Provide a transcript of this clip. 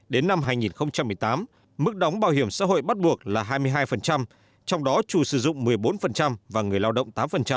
đến năm hai nghìn một mươi tám mức đóng bảo hiểm xã hội bắt buộc là hai mươi hai trong đó chủ sử dụng một mươi bốn và người lao động tám